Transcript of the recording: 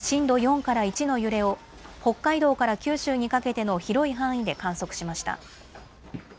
このほか震度４から１の揺れを北海道から九州にかけての広い範囲で観測しました。